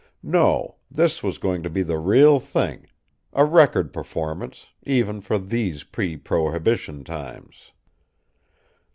No, this was going to be the real thing a record performance, even for these pre prohibition times.